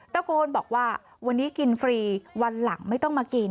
ตะโกนบอกว่าวันนี้กินฟรีวันหลังไม่ต้องมากิน